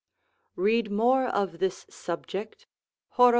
Read more of this subject, Horol.